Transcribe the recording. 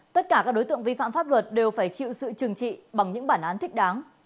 tất cả các đối tượng vi phạm pháp luật đều phải chịu sự trừng trị bằng những bản án thích đáng